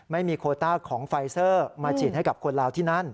โคต้าของไฟเซอร์มาฉีดให้กับคนลาวที่นั่น